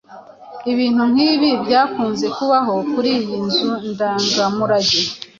Ibintu nk'ibi byakunze kubaho kuri iyi nzu ndangamurage